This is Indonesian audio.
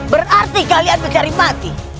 berarti kalian mencari mati